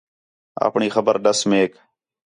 آپݨی خبر ݙَس میک